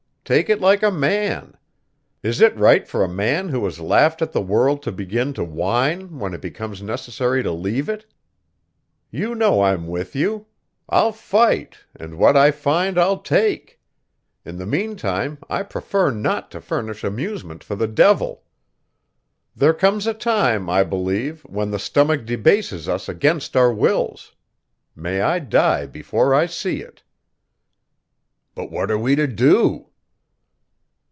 Take it like a man. Is it right for a man who has laughed at the world to begin to whine when it becomes necessary to leave it? "You know I'm with you; I'll fight, and what I find I'll take; in the mean time I prefer not to furnish amusement for the devil. There comes a time, I believe, when the stomach debases us against our wills. May I die before I see it." "But what are we to do?"